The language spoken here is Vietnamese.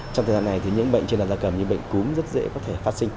trong thời gian này thì những bệnh trên đàn da cầm như bệnh cúm rất dễ có thể phát sinh